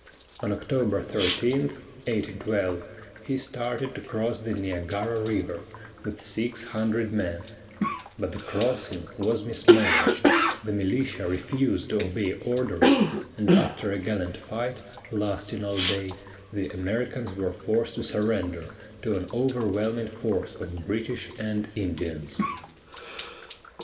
On October 13, 1812, he started to cross the Niagara River with six hundred men; but the crossing was mismanaged, the militia refused to obey orders, and after a gallant fight lasting all day, the Americans were forced to surrender to an overwhelming force of British and Indians.